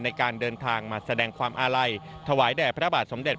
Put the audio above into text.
ในการเดินทางมาแสดงความอาลัยถวายแด่พระบาทสมเด็จ